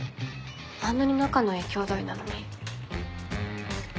あんなに仲のいいきょうだいなのに。